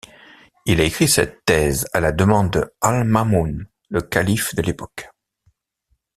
Il a écrit cette thèse à la demande de Al-Ma’mūn, le calife de l'époque.